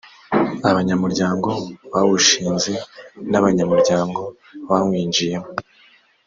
abanyamuryango bawushinze n abanyamuryango bawinjiyemo